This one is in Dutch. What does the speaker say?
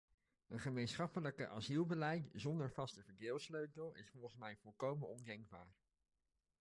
Een gemeenschappelijke asielbeleid zonder vaste verdeelsleutel is volgens mij volkomen ondenkbaar.